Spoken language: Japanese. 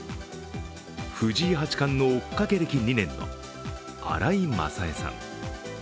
藤井八冠の追っかけ歴２年の新井雅恵さん。